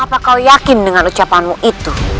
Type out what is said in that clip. apakah kau yakin dengan ucapanmu itu